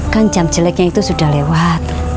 kan jam jeleknya itu sudah lewat